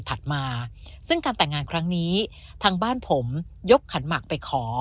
ถัดมาซึ่งการแต่งงานครั้งนี้ทางบ้านผมยกขันหมักไปขอ